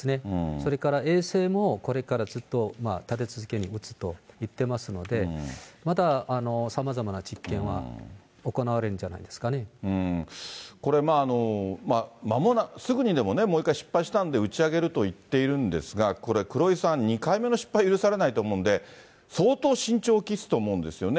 それから衛星も、これからずっと、立て続けに打つと言ってますので、まださまざまな実験は行われるんこれ、すぐにでももう一回失敗したんで、打ち上げると言っているんですが、ここで黒井さん、２回目の失敗許されないと思うんで、相当慎重を期すと思うんですよね。